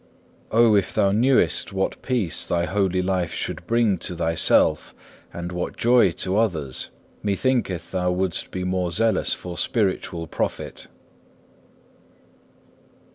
Oh, if thou knewest what peace to thyself thy holy life should bring to thyself, and what joy to others, methinketh thou wouldst be more zealous for spiritual profit.